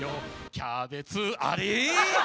キャベツあれ？